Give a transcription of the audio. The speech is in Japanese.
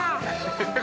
「ハハハ。